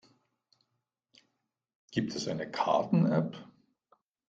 Gibt es eine Karten-App?